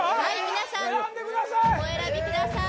皆さんお選びください